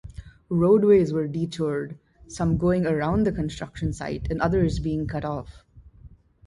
Roadways were detoured, some going around the construction site and others being cut off.